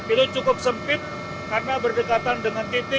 itu cukup sempit karena berdekatan dengan titik